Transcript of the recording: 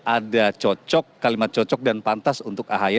ada cocok kalimat cocok dan pantas untuk ahy